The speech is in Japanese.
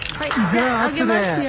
じゃあ上げますよ。